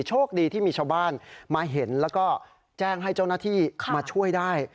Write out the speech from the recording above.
โชคดีที่มีชาวบ้านมาเห็นแล้วก็แจ้งให้เจ้าหน้าที่มาช่วยได้